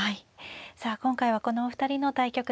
さあ今回はこのお二人の対局です。